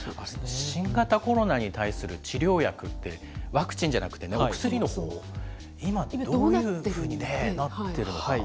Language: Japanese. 新型コロナに対する治療薬って、ワクチンじゃなくてお薬のほう、今、どういうふうになってるのか。